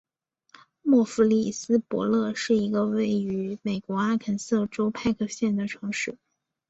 默弗里斯伯勒是一个位于美国阿肯色州派克县的城市。